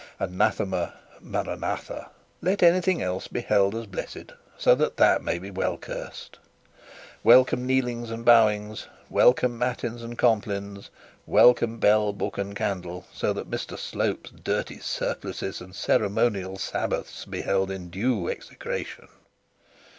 Anathema maranatha! Let anything be held as blessed, so that that be well cursed. Welcome kneelings and bowings, welcome matins and complines, welcome bell, book, and candle, so that Mr Slope's dirty surplices and ceremonial Sabbaths be held in due execration!